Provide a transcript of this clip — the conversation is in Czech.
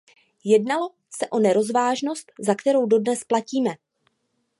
Jednalo se o nerozvážnost, za kterou dodnes platíme.